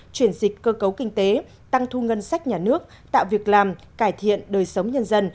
chuyển dịch cơ cấu kinh tế tăng thu ngân sách nhà nước tạo việc làm cải thiện đời sống nhân dân